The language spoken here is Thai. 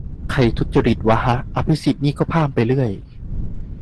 ใครทุจริตวะฮะ อภิสิทธิ์นี่ก็พล่ามไปเรื่อย